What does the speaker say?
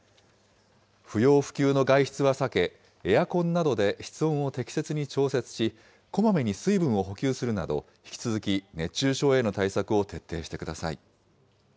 不要不急の外出は避け、エアコンなどで室温を適切に調節し、こまめに水分を補給するなど、引き続き熱中症への対策を徹底してください。